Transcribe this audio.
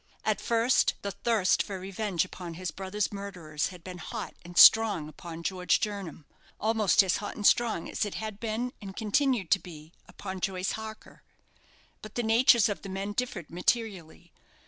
At first, the thirst for revenge upon his brother's murderers had been hot and strong upon George Jernam almost as hot and strong as it had been, and continued to be, upon Joyce Harker; but the natures of the men differed materially.